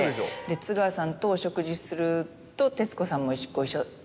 津川さんとお食事すると徹子さんもご一緒で。